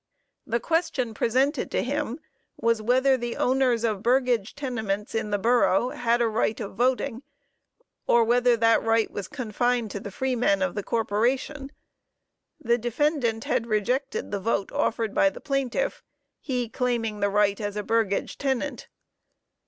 The question presented to him was "whether the owners of burgage tenements in the borough, had a right of voting, or whether that right was confined to the freemen of the corporation." The defendant had rejected the vote offered by the plaintiff, he claiming the right as a burgage tenant.